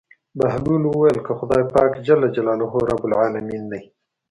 بهلول وويل که خداى پاک رب العلمين دى.